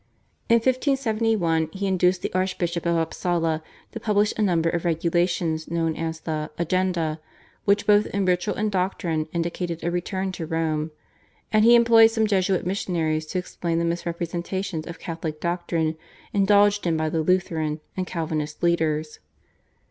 In 1571 he induced the Archbishop of Upsala to publish a number of regulations known as the /Agenda/, which both in ritual and doctrine indicated a return to Rome, and he employed some Jesuit missionaries to explain the misrepresentations of Catholic doctrine indulged in by the Lutheran and Calvinist leaders.